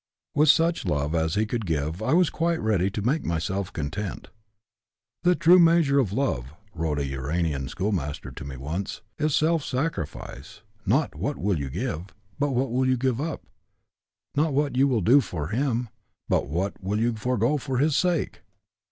With such love as he could give I was quite ready to make myself content. 'The true measure of love,' wrote a uranian schoolmaster to me once, 'is self sacrifice'; not 'What will you give?' but 'What will you give up?' Not 'What will you do for him?' but 'What will you forego for his sake?'